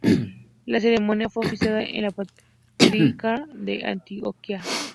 La ceremonia fue oficiada por el patriarca de Antioquía.